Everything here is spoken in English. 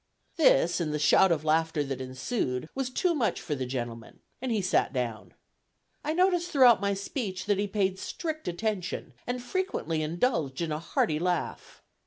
This, and the shout of laughter that ensued, was too much for the gentleman, and he sat down. I noticed throughout my speech that he paid strict attention, and frequently indulged in a hearty laugh.